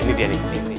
ini dia nih